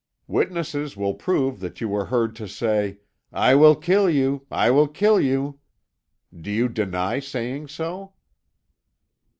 "Witnesses will prove that you were heard to say, 'I will kill you! I will kill you!' Do you deny saying so?"